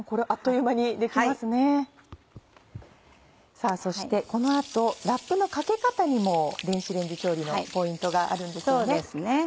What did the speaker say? さぁそしてこの後ラップのかけ方にも電子レンジ調理のポイントがあるんですよね。